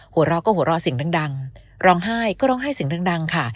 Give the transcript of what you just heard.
หัวเราก็หัวเราะเสียงดังร้องไห้ก็ร้องไห้เสียงดังค่ะ